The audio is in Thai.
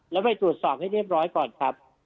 แล้วไปตรวจสอบให้เรียบร้อยก่อนครับ